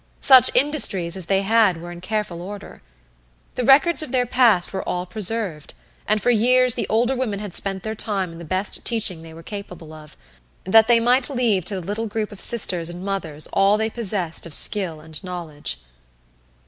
Such industries as they had were in careful order. The records of their past were all preserved, and for years the older women had spent their time in the best teaching they were capable of, that they might leave to the little group of sisters and mothers all they possessed of skill and knowledge.